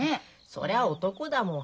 そりゃあ男だもん。